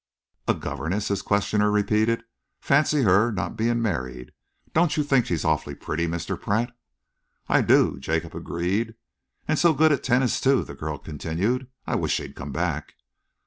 "A governess!" his questioner repeated. "Fancy her not being married! Don't you think she's awfully pretty, Mr. Pratt?" "I do," Jacob agreed. "And so good at tennis, too," the girl continued. "I wish she'd come back."